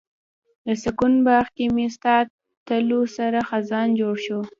د سکون باغ کې مې ستا تلو سره خزان جوړ شو